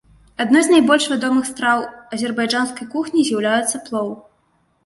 Адной з найбольш вядомых страў азербайджанскай кухні з'яўляецца плоў.